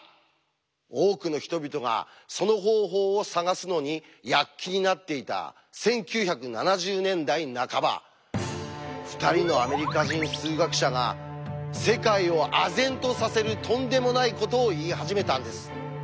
多くの人々がその方法を探すのに躍起になっていた１９７０年代半ば２人のアメリカ人数学者が世界をあぜんとさせるとんでもないことを言い始めたんです。